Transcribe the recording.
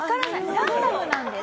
ランダムなんです。